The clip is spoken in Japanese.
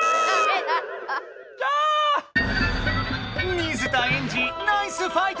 水田エンジナイスファイト！